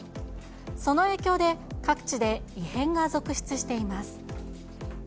その影響で、各地で異変が続出しています。